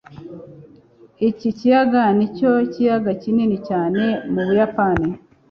iki kiyaga nicyo kiyaga kinini cyane mu buyapani